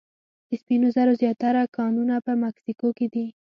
د سپینو زرو زیاتره کانونه په مکسیکو کې دي.